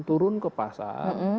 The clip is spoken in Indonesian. turun ke pasar